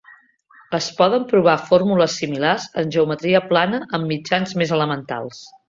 Es poden provar fórmules similars en geometria plana amb mitjans més elementals.